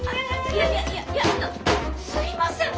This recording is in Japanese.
いやいやいやいやあのすいません！